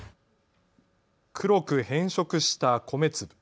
黒く変色した米粒。